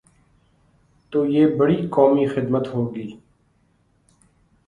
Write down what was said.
تو یہ بڑی قومی خدمت ہو گی۔